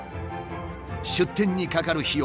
出店にかかる費用